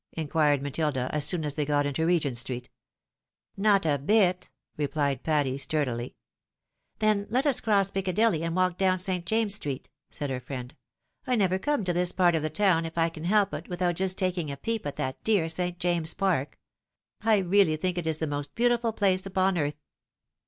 " inquired Matilda, as soon as they got into Regent street. " Not a bit," rephed Patty, sturdily. "Then let us cross PicoadOly, and walk down St. James's street," said her friend. " I never come to this part of the town, if I can help it, without just taking a peep at that dear St. James's Park. I really tlunk it is the most beautiful place upon earth."